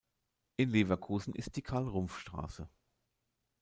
In Leverkusen ist die Carl-Rumpff-Str.